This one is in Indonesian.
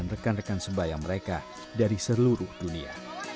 dan mereka juga mendapatkan rekan rekan sembahyang mereka dari seluruh dunia